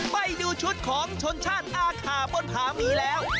ไปดูชุดของชนชาติอาขาบนผาหมีแล้ว